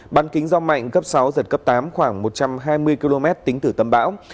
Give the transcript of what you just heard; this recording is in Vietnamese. bán kính gió mạnh cấp sáu giật cấp tám khoảng một trăm hai mươi km tính từ tâm bão